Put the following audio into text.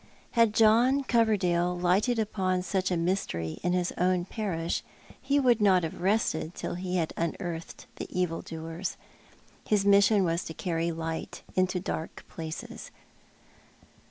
Had John Coverdale lighted upon such a mystery in his own parish he would not have rested till be had unearthed the evil doers. His mission was to carry light into dark places.